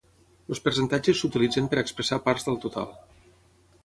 Els percentatges s’utilitzen per expressar parts del total.